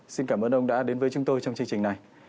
xin cảm ơn ông đã đến với chúng tôi trong chương trình này